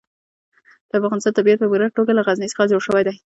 د افغانستان طبیعت په پوره توګه له غزني څخه جوړ شوی دی.